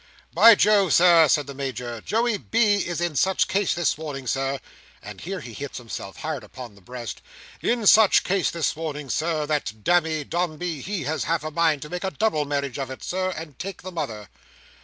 "By Jove, Sir," says the Major, "Joey B. is in such case this morning, Sir,"—and here he hits himself hard upon the breast—"In such case this morning, Sir, that, damme, Dombey, he has half a mind to make a double marriage of it, Sir, and take the mother."